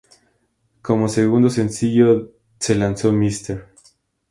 Como segundo sencillo se lanzó "Mr.